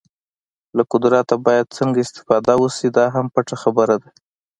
له قدرته باید څنګه استفاده وشي دا هم پټه خبره ده.